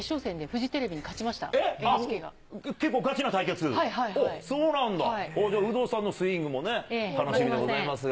じゃあ、有働さんのスイングもね、楽しみでございますが。